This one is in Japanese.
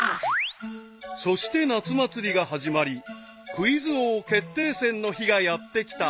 ［そして夏祭りが始まりクイズ王決定戦の日がやってきた］